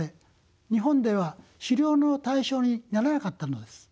日本では狩猟の対象にならなかったのです。